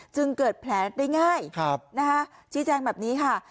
จึงเกิดแผลได้ง่ายชี้แจงแบบนี้ค่ะ